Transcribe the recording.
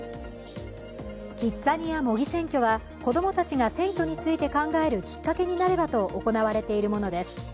キッザニア模擬選挙は子供たちが選挙について考えるきっかけになればと行われているものです。